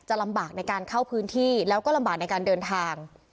ลำบากในการเข้าพื้นที่แล้วก็ลำบากในการเดินทาง